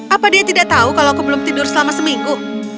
apa dia tidak tahu kalau aku belum tidur selama seminggu